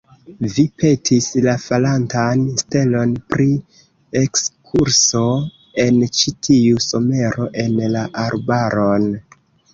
Vi petis la falantan stelon pri ekskurso en ĉi tiu somero en la arbaron.